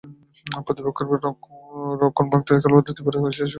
প্রতিপক্ষের রক্ষণ ভাঙতে খেলোয়াড়দের তীব্র ইচ্ছাশক্তিটাই আশা জাগাচ্ছে এই দল নিয়ে।